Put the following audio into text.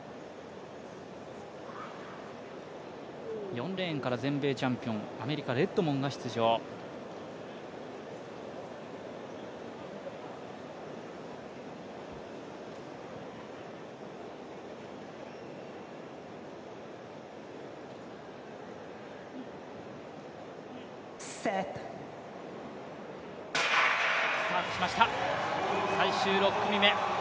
４レーンから全米チャンピオンアメリカ・デッドモンが出場。スタートしました、最終６組目。